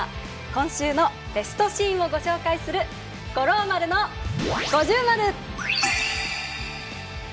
今週のベストシーンをご紹介する「五郎丸の五重マル」！